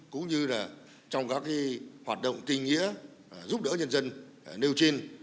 cũng như là trong các hoạt động tình nghĩa giúp đỡ nhân dân nêu trên